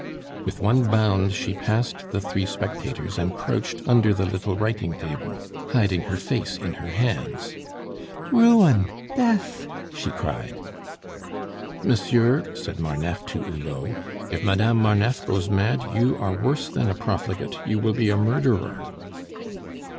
With one bound she passed the three spectators and crouched under the little writing table, hiding her face in her hands. "Ruin! Death!" she cried. "Monsieur," said Marneffe to Hulot, "if Madame Marneffe goes mad, you are worse than a profligate; you will be a murderer."